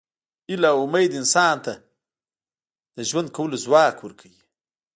هیله او امید انسان ته د ژوند کولو ځواک ورکوي.